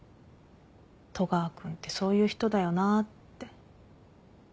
戸川君ってそういう人だよなって。